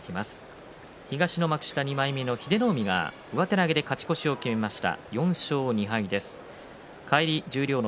東の幕下２枚目の英乃海が上手投げで勝ち越しを決めました。